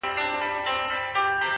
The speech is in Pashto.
• د تعلیم او د پوهني په زور کېږي ,